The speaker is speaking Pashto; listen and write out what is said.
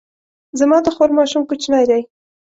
زما د خور ماشوم کوچنی دی